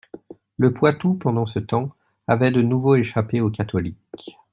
Le Poitou, pendant ce temps, avait de nouveau échappé aux catholiques.